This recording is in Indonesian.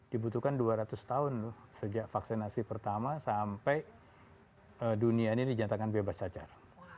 dibutuhkan dua ratus tahun loh sejak vaksinasi pertama sampai dunia ini dinyatakan bebas cacar